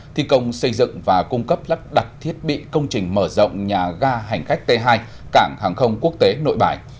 thi công xây dựng và cung cấp lắp đặt thiết bị công trình mở rộng nhà ga hành khách t hai cảng hàng không quốc tế nội bài